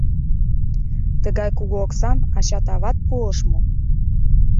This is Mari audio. Тыгай кугу оксам ачат-ават пуыш мо?